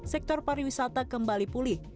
sektor pariwisata kembali pulih